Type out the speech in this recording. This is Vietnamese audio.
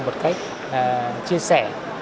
một cách chia sẻ